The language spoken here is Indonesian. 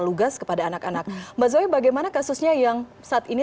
lugas kepada anak anak mbak zoy bagaimana kasusnya yang saat ini